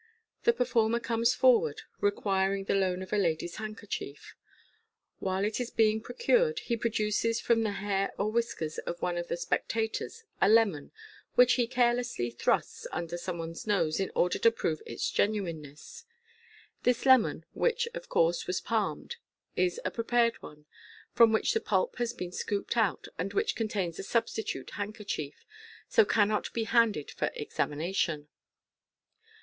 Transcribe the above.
The performer comes forward, requesting the loan of a lady'i handkerchief. While it is being procured, he produces from the hair or whiskers of one of the spectators a lemon, which he carelessly thrusts under somebody's nose in order to prove its genuineness, MODERN MAGIC 247 (This lemon, which, of course, was palmed, is a prepared one, from which the pulp has been scooped out, and which contains a substitute handkerchief, so cannot be handed for examination.)